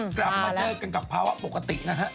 กลับมาเจอกันกับภาวะปกตินะฮะ